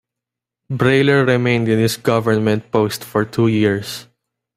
Brailer remained in his government post for two years.